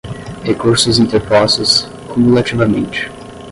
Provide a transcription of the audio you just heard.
recursos interpostos, cumulativamente.